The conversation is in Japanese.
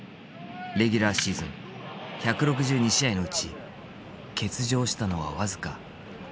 レギュラーシーズン１６２試合のうち欠場したのは僅か４試合だった。